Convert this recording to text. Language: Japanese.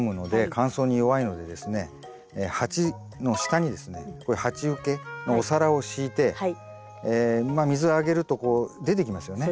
鉢の下にですねこういう鉢受けのお皿を敷いて水をあげるとこう出てきますよね。